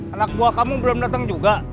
anak buah kamu belum datang juga